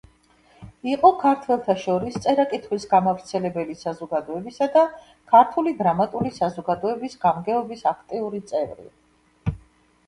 იყო „ქართველთა შორის წერა-კითხვის გამავრცელებელი საზოგადოებისა“ და ქართული დრამატული საზოგადოების გამგეობის აქტიური წევრი.